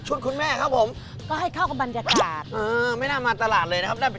คุณแม่ครับผมก็ให้เข้ากับบรรยากาศเออไม่น่ามาตลาดเลยนะครับ